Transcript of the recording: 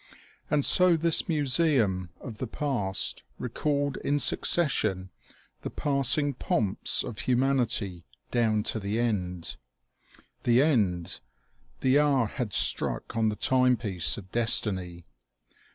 And so this museum of the past recalled in succession the passing pomps of humanity down to the end. The end ! The hour had struck on the time piece of destiny.